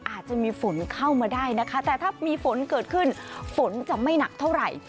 อาจจะมีฝนเข้ามาได้นะคะแต่ถ้ามีฝนเกิดขึ้นฝนจะไม่หนักเท่าไหร่